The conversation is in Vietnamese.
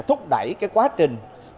thúc đẩy cái quá trình